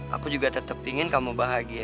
aku juga tetap ingin kamu bahagia